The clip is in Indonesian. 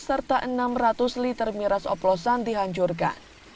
serta enam ratus liter miras oplosan dihancurkan